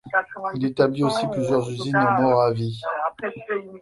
Il établit aussi plusieurs usines en Moravie.